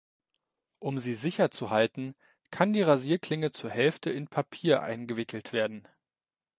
Um sie sicher zu halten kann die Rasierklinge zur Hälfte in Papier eingewickelt werden.